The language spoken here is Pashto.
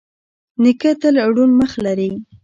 نیکه تل روڼ مخ لري.